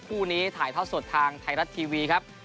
คู่นี้ถ่ายทอดสดทางไทยรัฐทีวีครับ